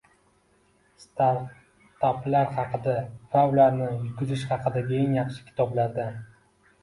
Startaplar haqida va ularni yurgizish haqida eng yaxshi kitoblardan.